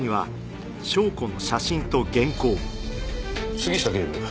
杉下警部